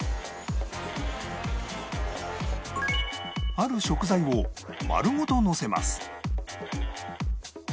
ある食材を丸ごとのせます